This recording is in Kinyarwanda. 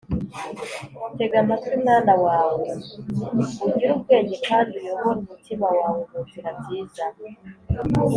tega amatwi mwana wawe, ugire ubwenge, kandi uyobore umutima wawe mu nzira nziza